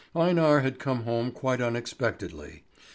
Einar had come home quite unexpectedly.